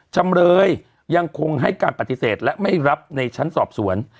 จำเลยยังคงให้การปฏิเสธและไม่รับในชั้นสอบสวน